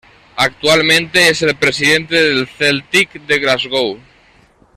Actualmente es el presidente del Celtic de Glasgow.